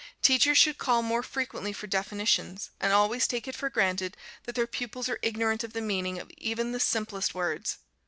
Teachers should call more frequently for definitions, and always take it for granted that their pupils are ignorant of the meaning of even the simplest words.